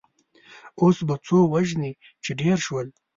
اوس به څو وژنې چې ډېر شول.